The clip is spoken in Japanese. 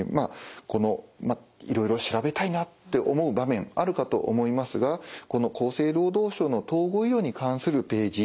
いろいろ調べたいなって思う場面あるかと思いますがこの厚生労働省の統合医療に関するページ